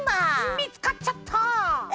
みつかっちゃった！